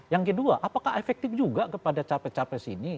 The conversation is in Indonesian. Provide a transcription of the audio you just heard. yang kedua apakah efektif juga kepada capres capres ini